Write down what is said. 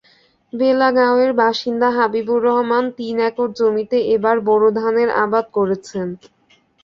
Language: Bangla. বেলাগাঁওয়ের বাসিন্দা হাবিবুর রহমান তিন একর জমিতে এবার বোরো ধানের আবাদ করেছেন।